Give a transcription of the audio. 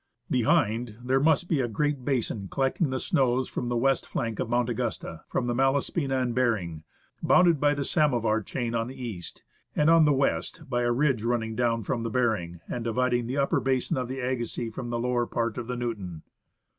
Behind, there must be a great basin collecting the snows from the west flank of Mount Augusta, from the Malaspina and Behring, bounded by the Samovar chain on the east, and, on the west, by a ridge running down from the Behring and dividing the upper basin of the Agassiz from the lower part of the Newton.